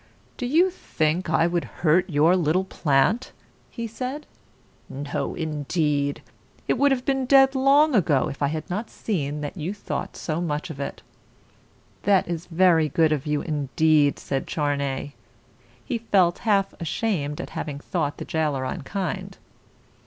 "Do you think that I would hurt your little plant?" he said. "No, indeed! It would have been dead long ago, if I had not seen that you thought so much of it." "That is very good of you, indeed," said Char ney. He felt half ashamed at having thought the jailer unkind.